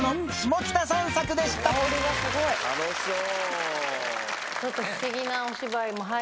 楽しそう。